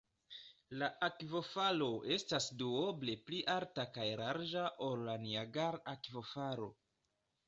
La akvofalo estas duoble pli alta kaj larĝa ol la Niagar-akvofalo.